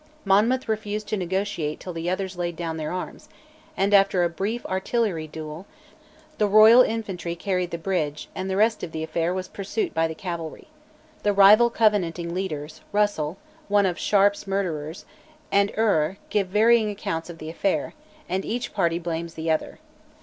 Monmouth refused to negotiate till the others laid down their arms, and after a brief artillery duel, the Royal infantry carried the bridge, and the rest of the affair was pursuit by the cavalry. The rival Covenanting leaders, Russel, one of Sharp's murderers, and Ure, give varying accounts of the affair, and each party blames the other.